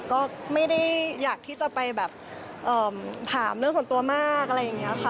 ก็ไม่ได้อยากที่จะไปแบบถามเรื่องส่วนตัวมากอะไรอย่างนี้ค่ะ